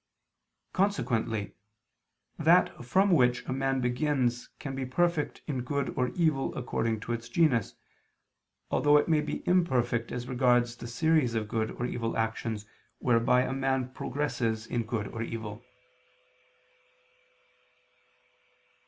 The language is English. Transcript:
Consequently, that from which a man begins can be perfect in good or evil according to its genus, although it may be imperfect as regards the series of good or evil actions whereby a man progresses in good or evil.